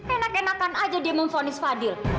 enak enakan aja dia memfonis fadil